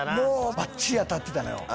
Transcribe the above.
ばっちり当たってたのよ。